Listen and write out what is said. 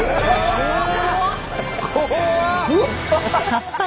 怖っ！